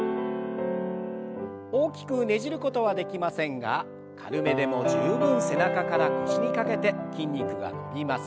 大きくねじることはできませんが軽めでも十分背中から腰にかけて筋肉が伸びます。